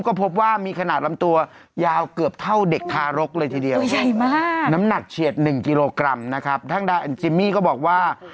ก็พบว่ามีขนาดลำตัวยาวเกือบเท่าเด็กทารกเลยทีเดียว